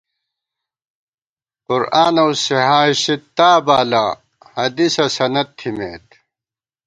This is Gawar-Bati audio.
قرآن اؤ صحاحِ ستّا بالہ حدیثہ سند تھِمېت